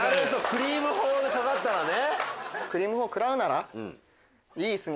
クリーム砲がかかったらね！